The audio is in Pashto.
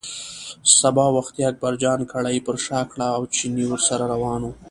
سبا وختي اکبرجان کړایی پر شا کړه او چيني ورسره روان و.